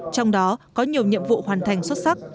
trong đó có nhiều nhiệm vụ hoàn thành xuất sắc